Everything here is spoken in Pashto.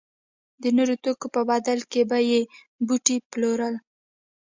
د نورو توکو په بدل کې به یې بوټي پلورل.